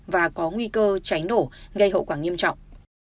và có nguy cơ cháy nổ gây hậu quả nghiêm trọng